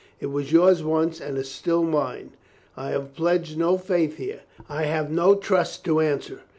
It was yours once and is still mine. I have pledged no faith here. I have no trust to answer.